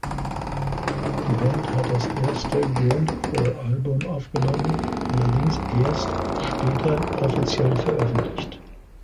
Die Band hat das erste Grindcore-Album aufgenommen, allerdings erst später offiziell veröffentlicht.